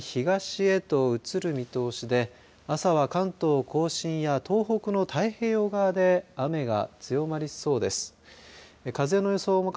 このあと、見ていくと雨雲は次第に東へと移る見通しで朝は関東甲信や東北の太平洋側で雨が強まりそうです。